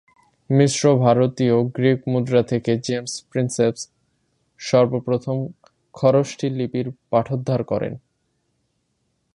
মিশ্র ভারতীয়-গ্রীক মুদ্রা থেকে James Prinsep সর্বপ্রথম খরোষ্ঠী লিপির পাঠোদ্ধার করেন।